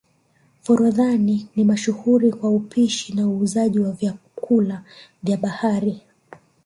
forodhani ni mashuhuri kwa upishi na uuzaji wa vyakupa vya bahari